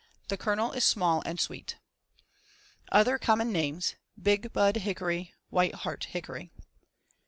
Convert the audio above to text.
The kernel is small and sweet. Other common names: Bigbud hickory; whiteheart hickory.